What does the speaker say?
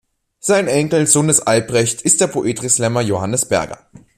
Sein Enkel, Sohn des Albrecht, ist der Poetry-Slammer Johannes Berger.